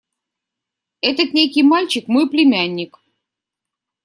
– Этот некий мальчик – мой племянник.